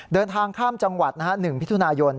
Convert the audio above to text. เดินทางข้ามจังหวัด๑มิถุนายน